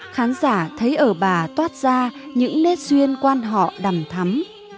khán giả thấy ở bà toát ra những nét duyên quan họ đầm thắm